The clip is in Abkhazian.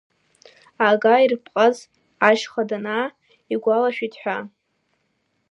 Ага ирпҟаз, ашьха данаа игәалашәеит ҳәа…